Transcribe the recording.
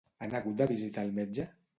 Han hagut de visitar el metge?